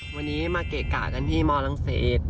วันนี้มาเกะกะกันที่มรังสิต